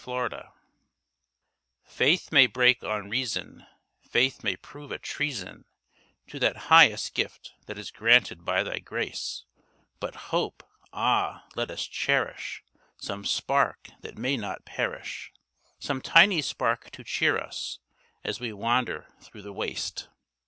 HOPE Faith may break on reason, Faith may prove a treason To that highest gift That is granted by Thy grace; But Hope! Ah, let us cherish Some spark that may not perish, Some tiny spark to cheer us, As we wander through the waste!